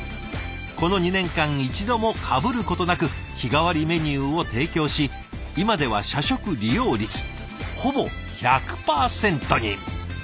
この２年間一度もかぶることなく日替わりメニューを提供し今では社食利用率ほぼ１００％に。